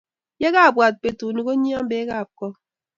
Ye kabwat betuni, konyio pek ab kong'